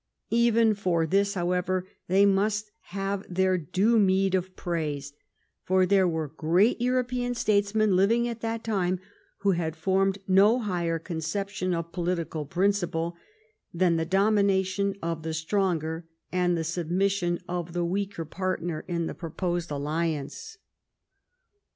Even for this, however, they must have their due meed of praise, for there were great European statesmen living at that time who had formed no higher conception of political principle than the domination of the stronger and the submission of the weaker partner in the proposed alliance.